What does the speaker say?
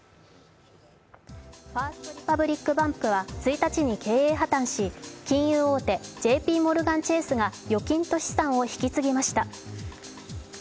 ファースト・リパブリック・バンクは１日に経営破綻し金融大手ＪＰモルガン・チェースが預金と資産を引き継ぎました。